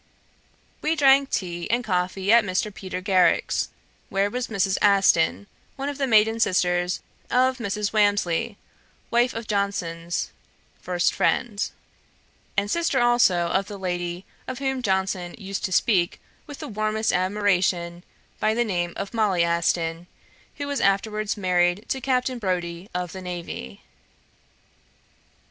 We drank tea and coffee at Mr. Peter Garrick's, where was Mrs. Aston, one of the maiden sisters of Mrs. Walmsley, wife of Johnson's first friend, and sister also of the lady of whom Johnson used to speak with the warmest admiration, by the name of Molly Aston, who was afterwards married to Captain Brodie of the navy.